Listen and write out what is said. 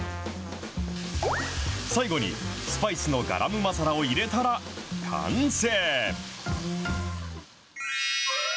最後に、スパイスのガラムマサラを入れたら、完成。